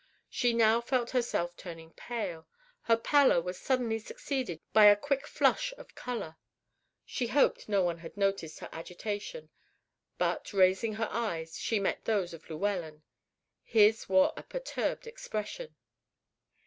She now felt herself turning pale; her pallor was suddenly succeeded by a quick flush of color. She hoped no one noticed her agitation; but, raising her eyes, she met those of Llewellyn. His wore a perturbed expression.